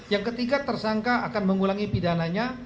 yang ketiga tersangka akan mengulangi pidananya